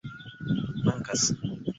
mankas